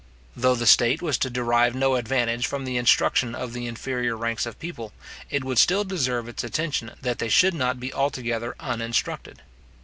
Though the state was to derive no advantage from the instruction of the inferior ranks of people, it would still deserve its attention that they should not be altogether uninstructed.